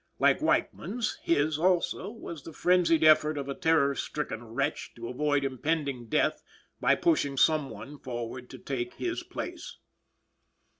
Like Weichman's, his, also, was the frenzied effort of a terror stricken wretch to avoid impending death by pushing someone forward to take his place.